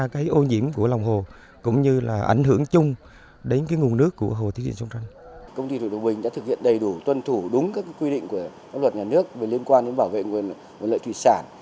công ty đã thực hiện đầy đủ tuân thủ đúng các quy định của các luật nhà nước liên quan đến bảo vệ nguồn lợi thủy sản